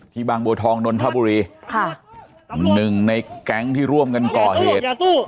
บางบัวทองนนทบุรีค่ะหนึ่งในแก๊งที่ร่วมกันก่อเหตุ